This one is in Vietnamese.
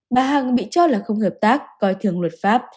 bà hằng bị cho là không hợp tác coi thường luật pháp